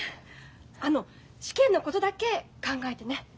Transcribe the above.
あの試験のことだけ考えてね。